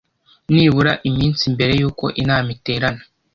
nibura iminsi mbere y uko inama iterana